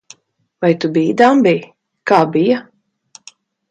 Vai tu biji dambī? Kā bija?